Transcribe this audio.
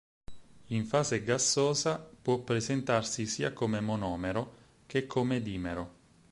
In fase gassosa può presentarsi sia come monomero che come dimero.